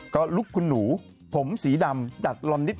ก็ลุกคุณหนูผมสีดำจัดลอนนิด